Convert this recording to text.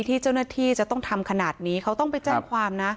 ที่เจ้าหน้าที่จะต้องทำขนาดนี้เขาต้องไปแจ้งความนะ